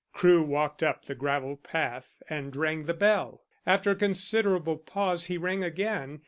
Crewe walked up the gravel path and rang the bell. After a considerable pause, he rang again.